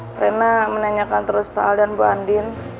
karena menanyakan terus pak aldan bu andien